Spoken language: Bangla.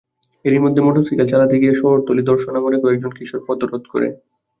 এরই মধ্যে মোটরসাইকেল চালাতে গিয়ে শহরতলি দর্শনা মোড়ে কয়েকজন কিশোর পথরোধ করে।